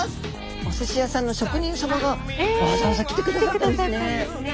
おすし屋さんの職人様がわざわざ来てくださったんですね。